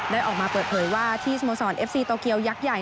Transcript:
ออกมาเปิดเผยว่าที่สโมสรเอฟซีโตเกียวยักษ์ใหญ่